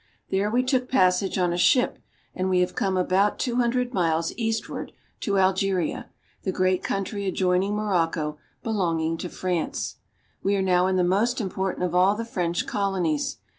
There we took passage on a ship and we have come about two hundred miles eastward to Algeria (al je'ri a), the great country adjoin ing Morocco belonging to France. We are now in the most important of all the French colonies.